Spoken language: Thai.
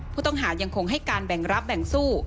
ผู้ต้องหายังคงให้การแบ่งรับแบ่งสู้